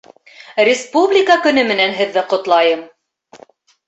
Республика көнө менән һеҙҙе ҡотлайым!